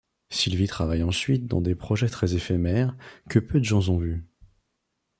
Sylvie travaille ensuite dans des projets très éphémères, que peu de gens ont vus.